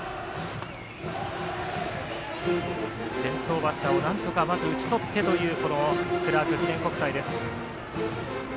先頭バッターをなんとかまず打ち取ってというクラーク記念国際です。